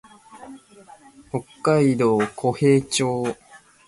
北海道古平町